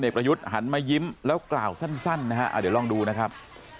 ประยุทธ์หันมายิ้มแล้วกล่าวสั้นนะฮะเดี๋ยวลองดูนะครับ